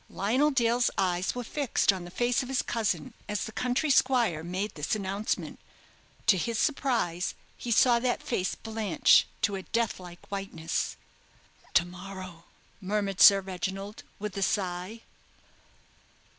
Lionel Dale's eyes were fixed on the face of his cousin as the country squire made this announcement. To his surprise, he saw that face blanch to a death like whiteness. "To morrow!" murmured Sir Reginald, with a sigh.